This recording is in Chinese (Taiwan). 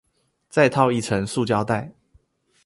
再套一層塑膠袋